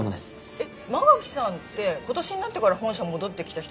えっ馬垣さんって今年になってから本社戻ってきた人でしょ？